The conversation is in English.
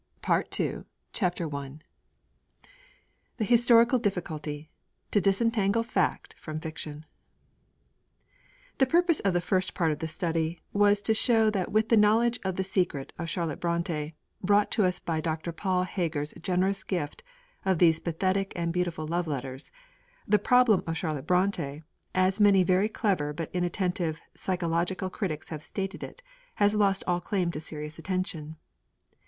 PART II CHAPTER I THE HISTORICAL DIFFICULTY: TO DISENTANGLE FACT FROM FICTION The purpose of the First Part of this study was to show that with the knowledge of the Secret of Charlotte Brontë, brought to us by Dr. Paul Heger's generous gift of these pathetic and beautiful Love letters, the 'Problem of Charlotte Brontë,' as so many very clever but inattentive psychological critics have stated it, has lost all claim to serious attention.